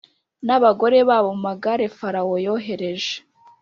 n abagore babo mu magare Farawo yohereje